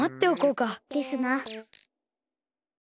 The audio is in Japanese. ですな。